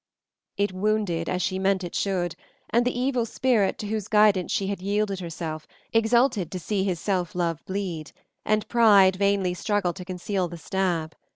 It wounded, as she meant it should; and the evil spirit to whose guidance she had yielded herself exulted to see his self love bleed, and pride vainly struggle to conceal the stab.